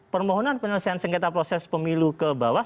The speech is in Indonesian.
permohonan penyelesaian sengketa proses pemilu ke bawah